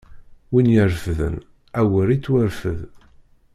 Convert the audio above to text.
Win irefden, awer ittwarfed!